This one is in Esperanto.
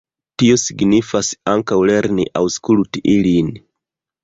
Tio signifas ankaŭ lerni aŭskulti ilin.